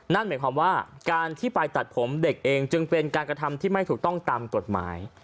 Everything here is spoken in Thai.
นั่นหมายความว่าการที่ไปตัดผมเด็กเองจึงเป็นการกระทำที่ไม่ถูกต้องตามกฎหมาย